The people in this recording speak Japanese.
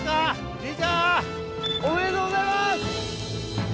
リチャ！おめでとうございます！